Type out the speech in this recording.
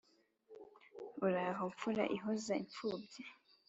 Uraho mfura ihoza imfubyi